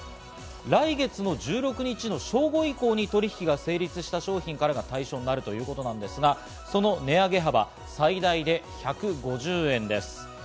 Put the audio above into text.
来月の１６日の正午以降に取引が成立した商品からが対象になるということですが、値上げ幅、最大で１５０円です。